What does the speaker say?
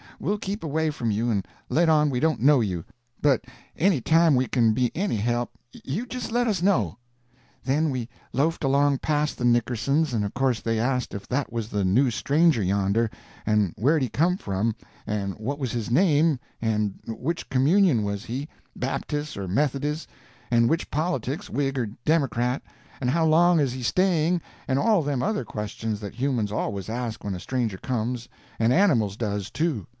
We'll keep away from you and let on we don't know you, but any time we can be any help, you just let us know." Then we loafed along past the Nickersons, and of course they asked if that was the new stranger yonder, and where'd he come from, and what was his name, and which communion was he, Babtis' or Methodis', and which politics, Whig or Democrat, and how long is he staying, and all them other questions that humans always asks when a stranger comes, and animals does, too.